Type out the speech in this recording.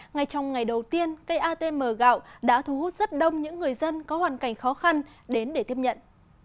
ngay trong ngày đầu tiên cây atm gạo đã thu hút rất đông những người dân có hoàn cảnh khó khăn đến để tiếp nhận